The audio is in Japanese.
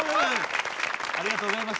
ありがとうございます。